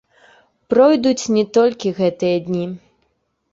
Пройдуць не толькі гэтыя дні.